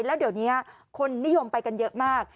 แล้วเดี๋ยวนี้คนนิยมไปกันเยอะมาก